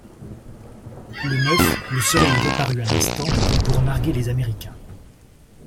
Le neuf, le soleil reparut un instant comme pour narguer les Américains.